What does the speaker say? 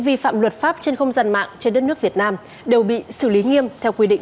vi phạm luật pháp trên không gian mạng trên đất nước việt nam đều bị xử lý nghiêm theo quy định